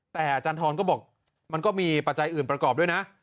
แต่อาจารย์ทรก็บอกมันก็มีปัจจัยอื่นประกอบด้วยนะ